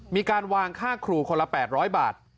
มีการวางค่าครูคนละ๘๐๐บาท